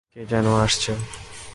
কে যেন আসছে।